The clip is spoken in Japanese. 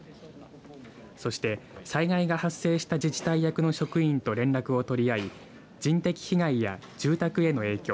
そして、災害が発生した自治体役の職員と連絡を取り合い人的被害や住宅への影響